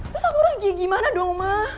terus aku harus pergi gimana dong ma